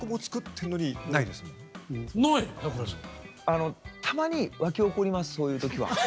あのたまに湧き起こりますそういう時は。